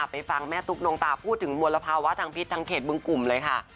ไปฟังแม่ตุ๊กนงตาพูดถึงมลภาวะทางพิษทางเขตบึงกลุ่มเลยค่ะ